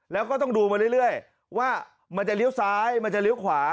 แล้วก็ต้องดูมาเรื่อยว่ามันจะเลี้ยวซ้ายมันจะเลี้ยวขวา